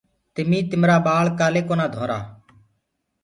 تمي تمرآ ٻآݪ ڪآلي ڪونآ ڌنٚورآ۔